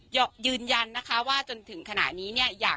ยืนยันนะคะว่าจนถึงขณะนี้เนี่ยอยาก